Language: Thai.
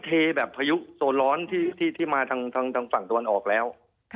เทแบบพายุโซร้อนที่มาทางฝั่งตะวันออกแล้ว